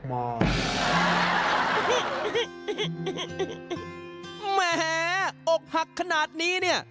แหมโอ้คูหักขนาดนี้นี่